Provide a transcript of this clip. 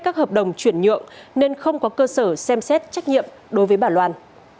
các hợp đồng chuyển nhượng nên không có cơ sở xem xét trách nhiệm đối với bà loan